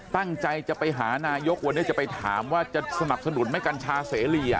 ตั้งใจจะไปหานายกวันนี้จะไปถามว่าจะสนับสนุนไหมกัญชาเสรี